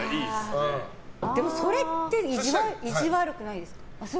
それって意地悪くないですか？